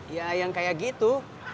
ya yang kayak gitu